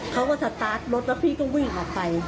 เขาก็สตาร์ทรถแล้วพี่ก็วิ่งออกไป